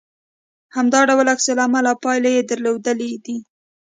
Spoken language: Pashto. همدا ډول عکس العمل او پايلې يې درلودلې دي